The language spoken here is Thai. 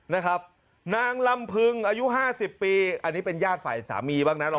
นะครับนางลำพึงอายุ๕๐ปีอันนี้เป็นญาติฝ่ายสามีบ้างนะ